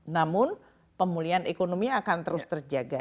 namun pemulihan ekonomi akan terus terjaga